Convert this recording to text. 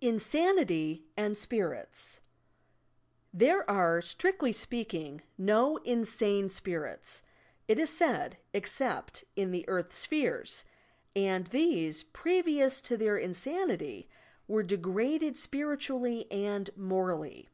INSANITY AND SPffilTS There are, strictly speaking, no insane spirits, it is said, except in the earth sphere, and these, previous to their insanity, were degraded spiritually and morally.